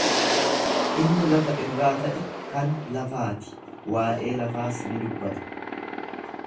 Inni lafa irraa ta'e kan lafaati, waa'ee lafaas ni dubbata.